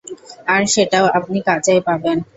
আর সেটাও আপনি কাঁচাই পাবেন।